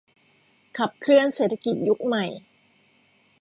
ขับเคลื่อนเศรษฐกิจยุคใหม่